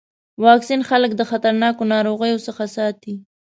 واکسین خلک د خطرناکو ناروغیو څخه ساتي.